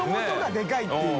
でかいっていう。